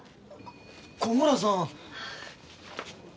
小村さん。